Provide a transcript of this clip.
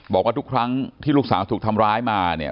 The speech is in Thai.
บอกว่าทุกครั้งที่ลูกสาวถูกทำร้ายมาเนี่ย